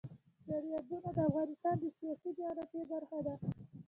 دریابونه د افغانستان د سیاسي جغرافیه برخه ده.